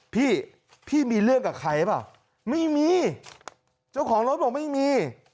พี่พี่มีเรื่องกับใครหรือเปล่าไม่มีเจ้าของรถบอกไม่มี